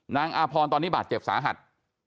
อาพรตอนนี้บาดเจ็บสาหัส